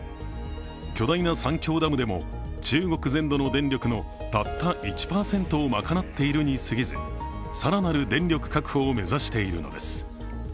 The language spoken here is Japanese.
巨大な三峡ダムでも中国全土の電力のたった１％を賄っているにすぎず、更なる電力確保を目指しているのです。